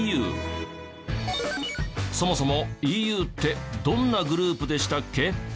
そもそもＥＵってどんなグループでしたっけ？